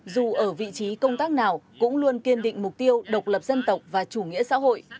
dù ở vị trí công tác nào cũng luôn kiên định mục tiêu độc lập dân tộc và chủ nghĩa xã hội